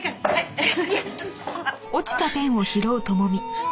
あっ。